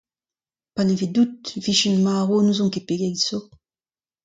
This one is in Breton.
Panevedout e vijen marv n'ouzon ket pegeit zo.